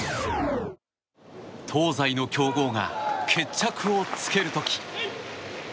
東西の強豪が決着をつける時。